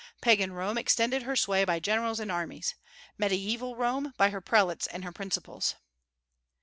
Pagan Rome extended her sway by generals and armies; Mediaeval Rome, by her prelates and her principles.